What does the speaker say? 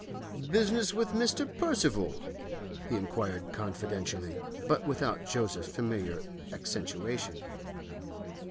'Business with Mr. Percival?' he inquired confidentially, but without Joseph's familiar accentuation.